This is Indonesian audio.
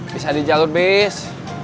bisa di jalur bis